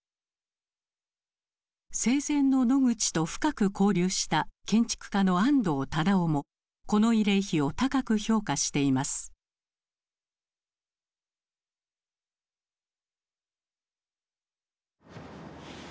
生前のノグチと深く交流した建築家の安藤忠雄もこの慰霊碑を高く評価しています。